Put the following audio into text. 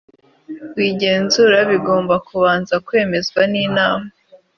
w igenzura bigomba kubanza kwemezwa n inama